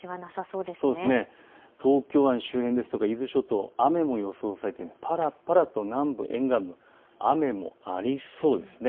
東京湾周辺や伊豆諸島雨も予想されて、ぱらぱらと南部、沿岸部、雨もありそうです。